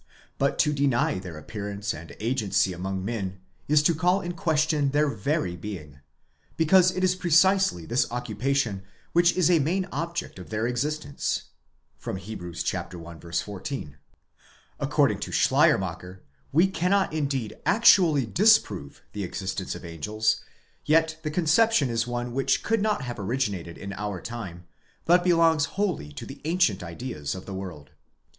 4* But to deny their appearance and agency among men is to call in question their very being, because it is precisely this occupa tion which is a main object of their existence (Heb. i. 14). According to Schleiermacher!5 we cannot indeed actually disprove the existence of angels, yet the conception is one which could not have originated in our time, but belongs wholly to the ancient ideas of the world.